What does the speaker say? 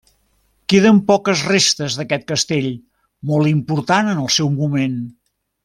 Queden poques restes d'aquest castell, molt important en el seu moment.